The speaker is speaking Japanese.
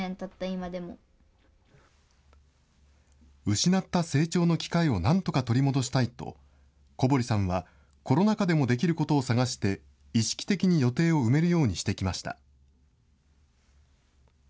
失った成長の機会をなんとか取り戻したいと、小堀さんはコロナ禍でもできることを探して、意識的に予定を埋めるようにしてきました。